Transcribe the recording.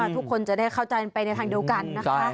ทุกคนจะได้เข้าใจไปในทางเดียวกันนะคะ